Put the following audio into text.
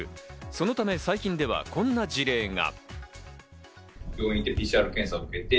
そのため最近ではこんな事例が。